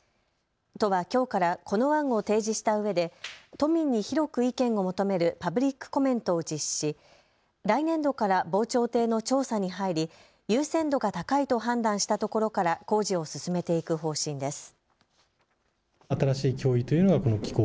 都はきょうからこの案を提示したうえで都民に広く意見を求めるパブリックコメントを実施し来年度から防潮堤の調査に入り優先度が高いと判断した所から工事を進めていく方針です。